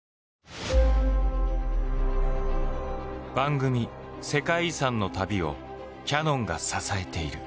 番組「世界遺産」の旅をキヤノンが支えている。